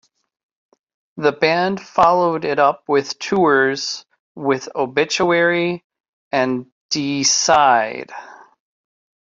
The band followed it up with tours with Obituary and Deicide.